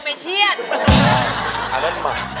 ไม่ใช่ยังไม่เชียด